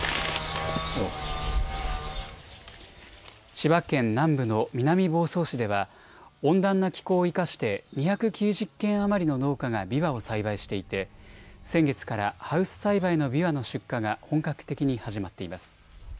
千葉県南部の南房総市では、温暖な気候を生かして、２９０軒余りの農家がびわを栽培していて、先月からハウス栽培のびわの出荷が本格的に始まっています。